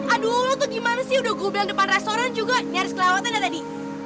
aduh lu tuh gimana sih udah gue bilang depan restoran juga nyaris kelewatan ya tadi